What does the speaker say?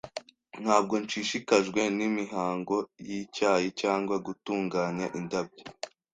Ntabwo nshishikajwe nimihango yicyayi cyangwa gutunganya indabyo.